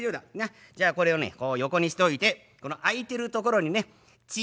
じゃあこれをねこう横にしといてこの空いてる所にね『ち』